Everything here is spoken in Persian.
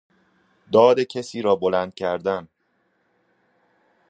داد کسی را بلند کردن